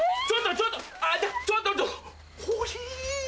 ちょっとちょほひ。